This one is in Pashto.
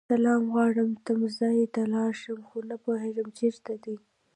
سلام غواړم تمځای ته لاړشم خو نه پوهيږم چیرته دی